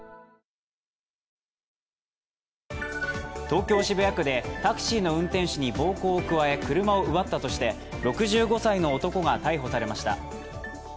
東京・渋谷区でタクシーの運転手に暴行を加え、車を奪ったとして６５歳の男が逮捕されました。